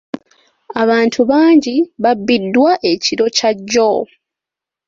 Abantu bagii babiddwa ekiro kya jjo.